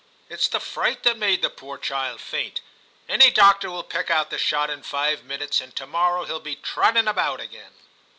It's the fright that made the poor child faint ; any doctor will pick out the shot in five minutes, and to morrow he'll be trotting about again.'